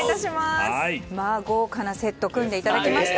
豪華なセットを組んでいただきました。